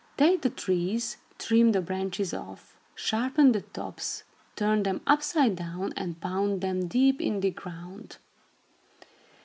Take the trees, trim the branches off, sharpen the tops, turn them upside down and pound them deep in the ground.